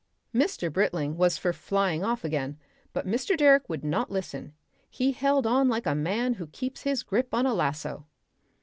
Mr. Britling was for flying off again, but Mr. Direck would not listen; he held on like a man who keeps his grip on a lasso.